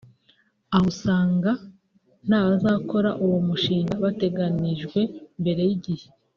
aho usanga nta bazakora uwo mushinga bateganijwe mbere y’igihe